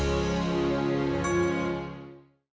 bapakku aku berharap itu sudah terserah